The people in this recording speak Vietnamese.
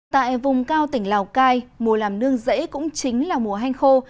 tại vùng cao tỉnh lào cai mùa làm nương rẫy cũng chính là mùa hanh khô